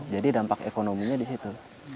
jadi dampak ekonominya di situ